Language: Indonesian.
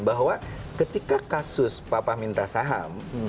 bahwa ketika kasus papa minta saham